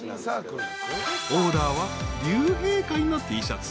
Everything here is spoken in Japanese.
［オーダーは竜兵会のＴシャツ。